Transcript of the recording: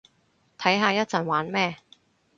睇下一陣玩咩